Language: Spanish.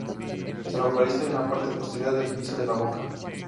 Se localiza en la parte posterior del piso de la boca.